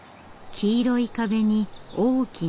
黄色い壁に大きな屋根。